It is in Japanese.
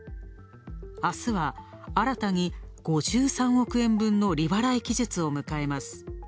あすは新たに５３億円分の利払い期日を迎えます。